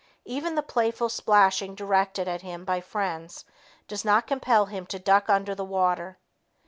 Even the playful splashing directed at him by friends does not compel him to duck under the water.